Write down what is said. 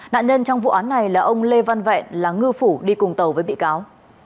nạn nhân trong vụ án này là ông lê văn vẹn là ngư phủ đi cùng tàu với bị cáo